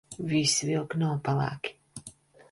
Visi vilki nav pelēki.